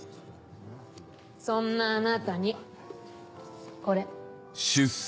そんなあなたにこれ。